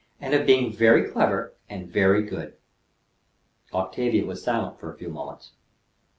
"And of being very clever and very good." Octavia was silent for a few moments.